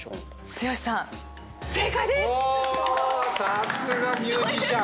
さすがミュージシャン！